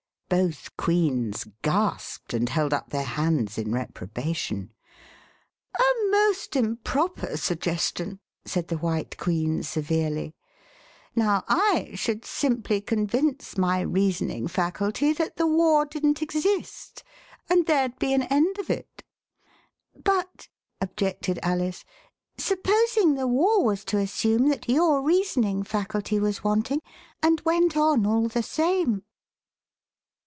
Both Queens gasped and held up their hands in reprobation. A most improper suggestion," said the White Queen severely. Now I should simply convince my reasoning faculty that the war didn't exist — and there'd be an end of it." But," objected Alice, supposing the war was to assume that your reasoning faculty was wanting, and went on all the same